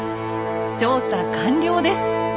調査完了です。